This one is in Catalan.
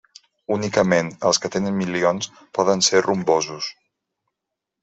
Únicament els que tenen milions poden ser rumbosos.